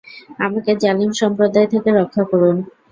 আমাকে জালিম সম্প্রদায় থেকে রক্ষা করুন।